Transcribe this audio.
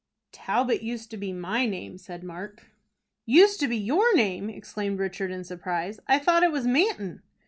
"Talbot used to be my name," said Mark. "Used to be your name!" exclaimed Richard, in surprise. "I thought it was Manton."